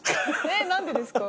えっ何でですか？